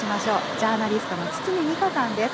ジャーナリストの堤未果さんです。